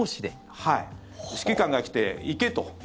指揮官が来て、行けと。